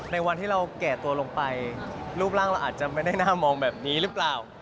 ในวันที่เราแก่ตัวลงไปรูปร่างเราอาจจะไม่ได้น่ามองแบบนี้หรือเปล่า